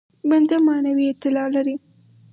بنده معنوي اعتلا لري.